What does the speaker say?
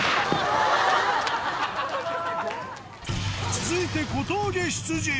続いて小峠出陣。